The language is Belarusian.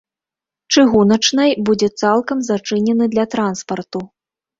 Чыгуначнай будзе цалкам зачынены для транспарту.